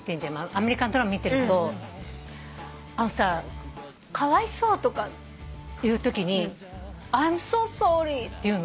アメリカのドラマ見てると「かわいそう」とか言うときに「Ｉ’ｍｓｏｓｏｒｒｙ」って言うの。